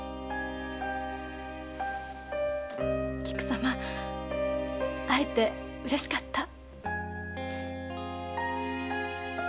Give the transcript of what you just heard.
菊様会えてうれしかった。